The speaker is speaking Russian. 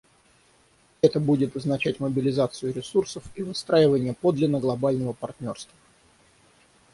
Это будет означать мобилизацию ресурсов и выстраивание подлинно глобального партнерства.